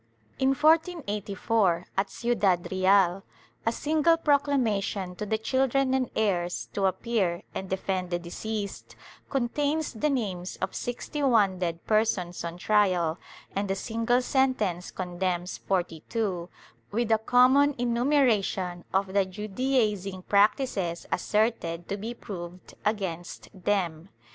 In 1484, at Ciudad Real, a single proclamation to the children and heirs, to appear and defend the deceased, con tains the names of sixty one dead persons on trial and a single sentence condemns forty two, with a common enumeration of the Judaizing practices asserted to be proved against them.